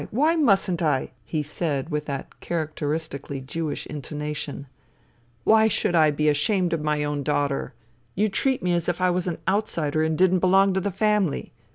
Why mustn't I?" he said with that characteristically Jewish intonation. THE THREE SISTERS 49 *' Why should I be ashamed of my own daughter ? You treat me as if I was an outsider and didn't belong to the family.